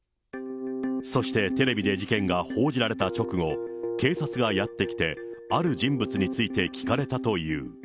そしてテレビで事件が報じられた直後、警察がやって来て、ある人物について聞かれたという。